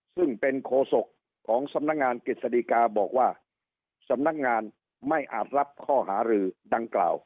ซึ่งเป็นโคศกของสำนักงานกฤษฎิกาบอกว่าสำนักงานไม่อาจรับข้อหารือดังกล่าว